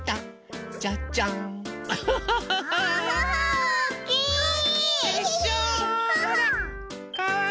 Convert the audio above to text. おっきい！